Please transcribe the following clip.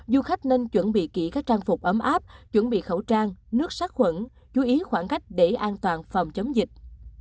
du khách nên chuẩn bị kỹ các trang phục ấm áp chuẩn bị khẩu trang nước sát khuẩn chú ý khoảng cách để an toàn phòng chống dịch